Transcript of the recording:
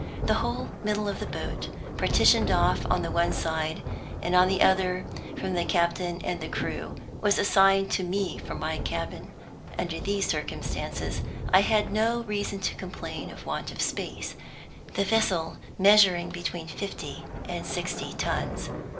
The whole middle of the boat, partitioned off on the one side and on the other from the captain and the crew, was assigned to me for my cabin. Under these circumstances, I had no reason to complain of want of space; the vessel measuring between fifty and sixty tons.